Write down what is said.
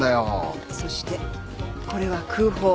そしてこれは空砲。